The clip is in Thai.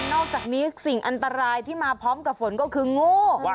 อกจากนี้สิ่งอันตรายที่มาพร้อมกับฝนก็คืองู